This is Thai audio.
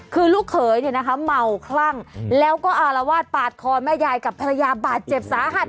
คือลูกเขยเนี่ยนะคะเมาคลั่งแล้วก็อารวาสปาดคอแม่ยายกับภรรยาบาดเจ็บสาหัส